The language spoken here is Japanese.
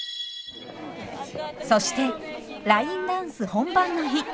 そしてラインダンス本番の日。